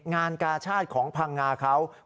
งานกาชาติของพังงาของซู่ชั่วครัว